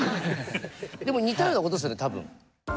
でも似たようなことですよね多分。